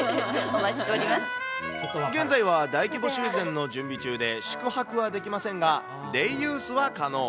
現在は大規模修繕の準備中で宿泊はできませんが、デイユースは可能。